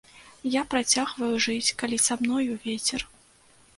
Я працягваю жыць, калі са мною вецер.